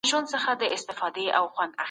د علم په واسطه توحيد ته رسيدلی سو.